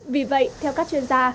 vì vậy theo các chuyên gia